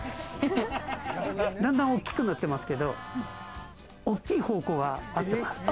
だんだん大きくなってますけど、大きい方向は合ってます。